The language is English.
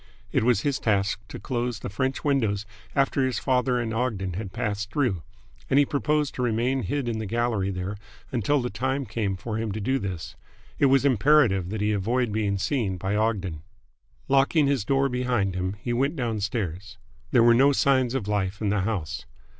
It was his task to close the French windows after his father and Ogden had passed through, and he proposed to remain hid in the gallery there until the time came for him to do this. It was imperative that he avoid being seen by Ogden. Locking his door behind him, he went downstairs. There were no signs of life in the house.